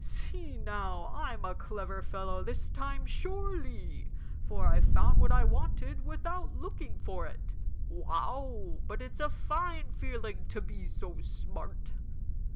See now, I'm a clever fellow this time sure ly, for I've found what I wanted without looking for it! Wow, but it's a fine feeling to be so smart!"